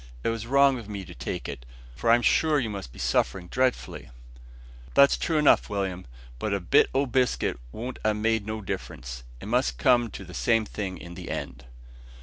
It was wrong of me to take it, for I'm sure you must be suffering dreadfully." "That's true enough, Will'm; but a bit o' biscuit wouldn't a made no difference. It must come to the same thing in the end."